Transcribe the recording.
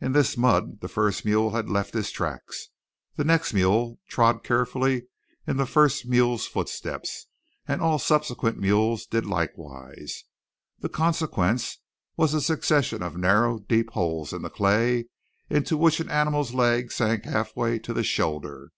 In this mud the first mule had left his tracks. The next mule trod carefully in the first mule's footsteps; and all subsequent mules did likewise. The consequence was a succession of narrow, deep holes in the clay, into which an animal's leg sank halfway to the shoulder.